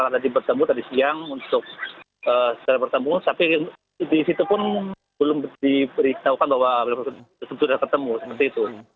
tadi bertemu tadi siang untuk secara bertemu tapi di situ pun belum diberitahukan bahwa sudah ketemu seperti itu